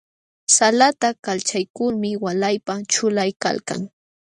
Salata kalchaykulmi walaypa ćhulaykalkan.